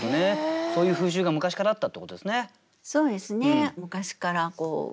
そういう風習が昔からあったってことですね。